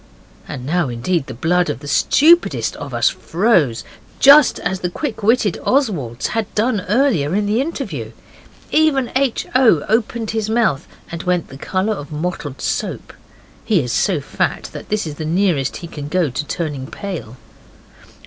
And now indeed the blood of the stupidest of us froze, just as the quick witted Oswald's had done earlier in the interview. Even H. O. opened his mouth and went the colour of mottled soap; he is so fat that this is the nearest he can go to turning pale.